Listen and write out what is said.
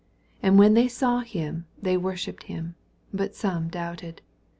17 And when they saw him, thi^ worshipped him : but some doubted.